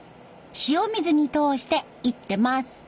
塩水に通して煎ってます。